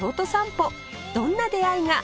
どんな出会いが？